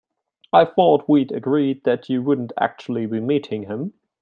I thought we'd agreed that you wouldn't actually be meeting him?